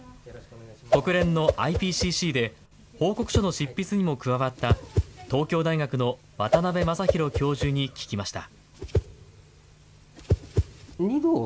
国連のＩＰＣＣで報告書の執筆にも加わった、東京大学の渡部雅浩教授に聞きました。